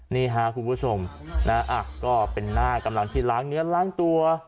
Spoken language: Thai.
นี่ค่ะคุณผู้ชมนะก็เป็นหน้ากำลังที่ล้างเนื้อล้างตัว